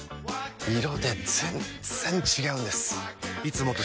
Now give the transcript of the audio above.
色で全然違うんです！